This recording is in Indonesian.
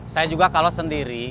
saya juga kalau sendiri